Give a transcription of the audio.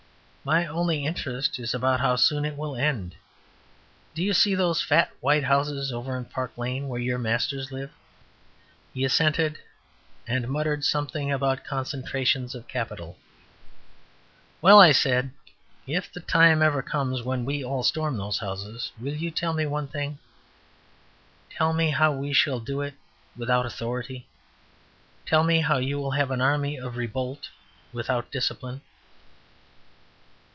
My only interest is about how soon it will end. Do you see those fat white houses over in Park lane, where your masters live?" He assented and muttered something about concentrations of capital. "Well," I said, "if the time ever comes when we all storm those houses, will you tell me one thing? Tell me how we shall do it without authority? Tell me how you will have an army of revolt without discipline?"